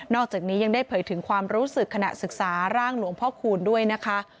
อกจากนี้ยังได้เผยถึงความรู้สึกขณะศึกษาร่างหลวงพ่อคูณด้วยนะคะ